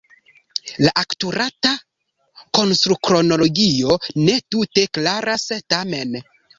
La akurata konstrukronologio ne tute klaras tamen.